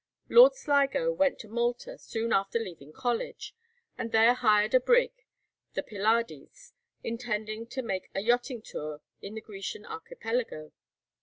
Lord Sligo went to Malta soon after leaving College, and there hired a brig, the 'Pylades,' intending to make a yachting tour in the Grecian Archipelago.